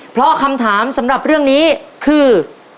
เพราะคำถามสำหรับเรื่องนี้คือ